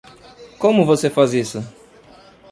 Como você faz isso?